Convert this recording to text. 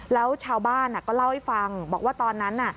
แล้วชาวบ้านก็เล่าให้ฟังบอกว่าตอนนั้น